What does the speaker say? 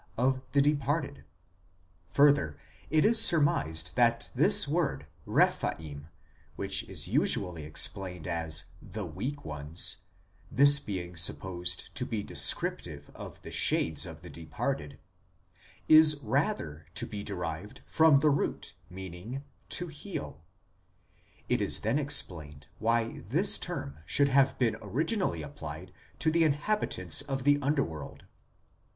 of the de parted. Further, it is surmised that this word Eephaim, which is usually explained as the " weak ones," this being supposed to be descriptive of the shades of the departed, is rather to be derived from the root meaning " to heal "; it is then explained why this term should have been originally applied to the inhabitants of the under world.